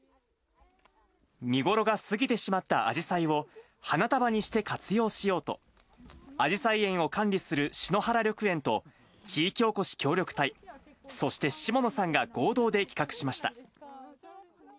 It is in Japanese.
見頃が過ぎてしまったアジサイを、花束にして活用しようと、アジサイ園を管理する篠原緑苑と、地域おこし協力隊、そして下野さんが合同で企画しました。